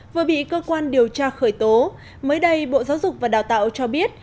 vừa bị cơ quan điều tra khởi tố mới đây bộ giáo dục và đào tạo cho biết